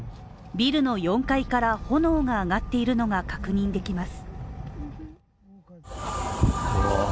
ビルの４階から炎が上がっているのが確認できます。